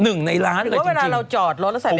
หนึ่งในล้านอ่ะจริง